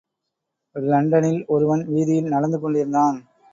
இலண்டனில் ஒருவன் வீதியில் நடந்து கொண்டிருந்தான்.